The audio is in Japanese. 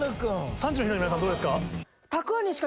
３時のヒロインの皆さんどうですか？